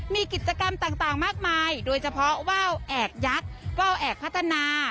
มีกิจกรรมต่างมากมายโดยเฉพาะว่าวแอกยักษ์ว่าวแอบพัฒนา